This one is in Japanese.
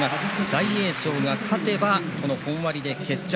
大栄翔が勝てばこの本割で決着。